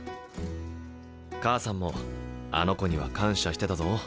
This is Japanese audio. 母さんもあの子には感謝してたぞ。